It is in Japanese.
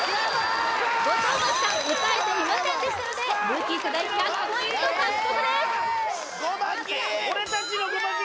後藤真希さん歌えていませんでしたのでルーキー世代１００ポイント獲得ですゴマキ！